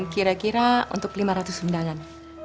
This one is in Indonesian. kira kira untuk lima ratus undangan